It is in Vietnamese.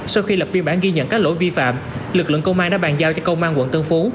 sau khi lập biên bản ghi nhận các lỗi vi phạm lực lượng công an đã bàn giao cho công an quận tân phú